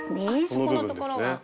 そこのところが。